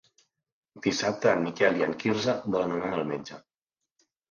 Dissabte en Miquel i en Quirze volen anar al metge.